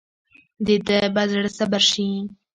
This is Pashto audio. دده به زړه صبر شي.